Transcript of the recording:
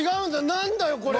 何だよこれ。